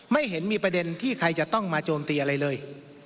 ไม่เห็นมีประเด็นที่ใครจะต้องมาโจมตีอะไรเลย